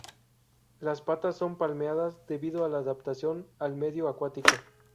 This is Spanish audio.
Las patas son palmeadas, debido a la adaptación al medio acuático.